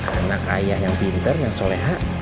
anak ayah yang pinter yang soleha